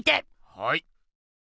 はい。